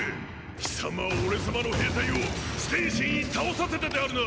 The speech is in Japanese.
貴様俺様の兵隊をステイシーに倒させたであるな！